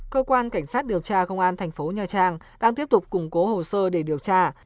cơ quan cảnh sát điều tra công an tp nhoa trang đang tiếp tục củng cố hồ sơ để điều tra